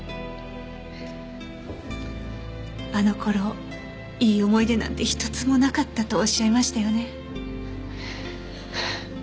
あの頃いい思い出なんて一つもなかったとおっしゃいましたよね？